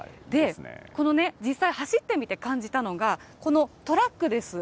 この、実際走ってみて感じたのが、このトラックです。